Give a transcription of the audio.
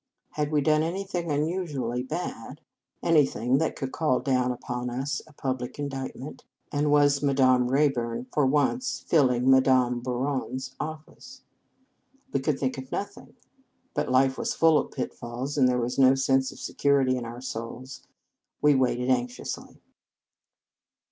Had we done anything unusually bad, anything that could call down upon us a public indictment, and was Madame Rayburn for once filling 208 Reverend Mother s Feast Madame Bouron s office? We could think of nothing; but life was full of pitfalls, and there was no sense of security in our souls. We waited anxiously.